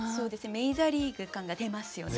メジャーリーグ感が出ますよね。